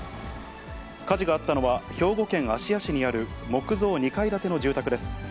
火事があったのは、兵庫県芦屋市にある木造２階建ての住宅です。